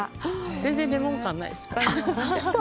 全然レモン感がないです。